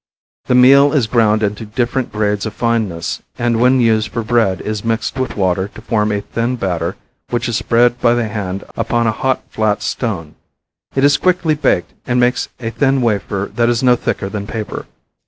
The meal is ground into different grades of fineness and when used for bread is mixed with water to form a thin batter which is spread by the hand upon a hot, flat stone. It is quickly baked and makes a thin wafer that is no thicker than paper.